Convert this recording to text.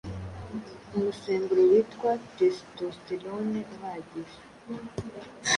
umusemburo witwa testosterone uhagije